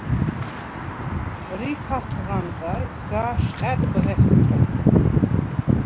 რიფ ათღანდა, სგა̄შყა̈დ ბღეთე.